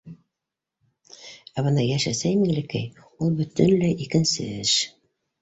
Ә бына йәш әсәй Миңлекәй, ул бөтөнләй икенсе эш.